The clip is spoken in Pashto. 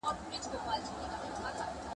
مي د زړه آواز دى